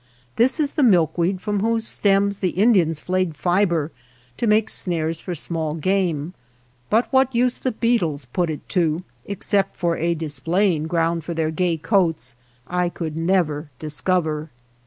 This is that milkweed from whose stems the Indians flayed fibre to make snares for small game, but what use the beetles put it to except for a dis playing ground for their gay coats, I could never discover.